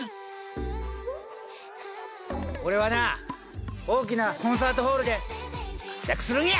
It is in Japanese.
俺はな大きなコンサートホールで活躍するんや！